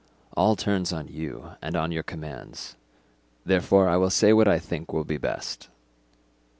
All turns on you and on your commands, therefore I will say what I think will be best.